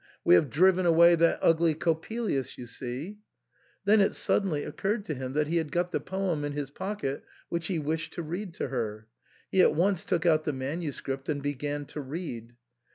We have driven away that ugly Coppelius, you see." Then it suddenly occurred to him that he had got the poem in his pocket which he wished to read to her. He at once took out the manuscript and began to read.